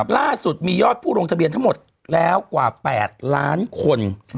ล่าสุดมียอดผู้ลงทะเบียนทั้งหมดแล้วกว่า๘ล้านคน